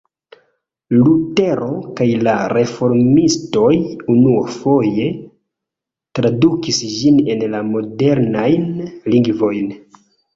Lutero kaj la reformistoj unuafoje tradukis ĝin en la modernajn lingvojn.